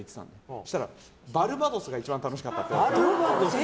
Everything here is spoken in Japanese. そしたら、バルバドスが一番楽しかったって言われた。